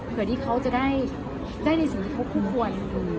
เพื่อที่เขาจะได้ในสิ่งที่เขาคุ้มควร